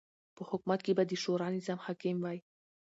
په حکومت کی به د شورا نظام حاکم وی